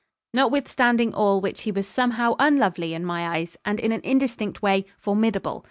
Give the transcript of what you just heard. Notwithstanding all which he was somehow unlovely in my eyes, and in an indistinct way, formidable.